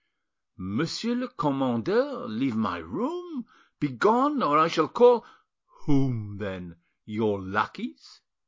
"Monsieur le commandeur, leave my room; begone, or I shall call——" "Whom, then? Your lackeys?